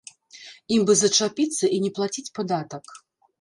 Ім бы зачапіцца і не плаціць падатак.